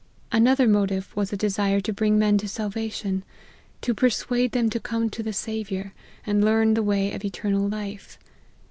Another motive was a desire to bring men to salvation to persuade them to come to the Saviour, and learn the way of eternal life.